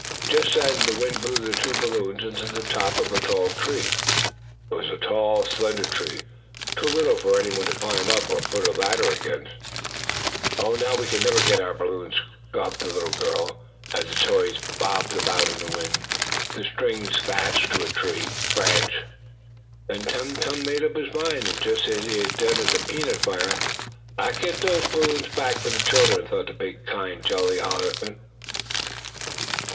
Just then the wind blew the two balloons into the top of a tall tree. It was a tall, slender tree, too little for any one to climb up, or put a ladder against. "Oh, now we can never get our balloons!" sobbed the little girl, as the toys bobbed about in the wind, the strings fast to a tree branch. Then Tum Tum made up his mind, just as he had done at the peanut fire. "I'll get those balloons back for the children," thought the big, kind, jolly elephant.